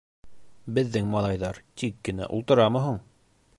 Беҙҙең малайҙар тик кенә ултырамы һуң!